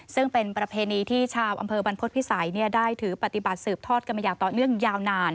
ซึ่งเป็นประเพณีที่ชาวอำเภอบรรพฤษภิษัยได้ถือปฏิบัติสืบทอดกันมาอย่างต่อเนื่องยาวนาน